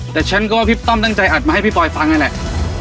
แต่ฉันก็ว่าพี่ต้อมตั้งใจอัดมาให้พี่ปอยฟังนั่นแหละ